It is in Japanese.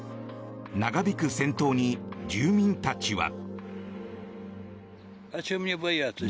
長引く戦闘に住民たちは。